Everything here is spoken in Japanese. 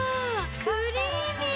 クリーミー！